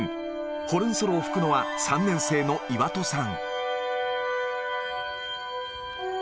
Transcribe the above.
ホルンソロを吹くのは、３年生の岩戸さん。